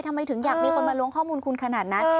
ทำไมถึงอยากมีมีคนนี้ขนขณะนั้น